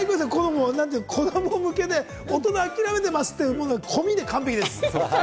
子ども向けで、大人諦めてますというものを込みで完璧です。